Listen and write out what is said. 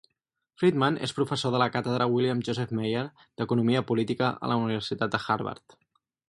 Friedman és professor de la càtedra William Joseph Maier d'economia política a la Universitat de Harvard.